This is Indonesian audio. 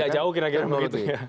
tidak jauh kira kira begitu ya